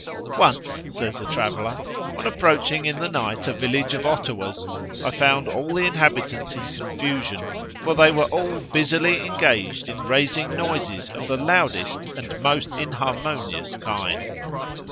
"Once," says a traveller, "on approaching in the night a village of Ottawas, I found all the inhabitants in confusion: they were all busily engaged in raising noises of the loudest and most inharmonious kind.